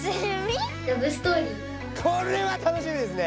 これはたのしみですね！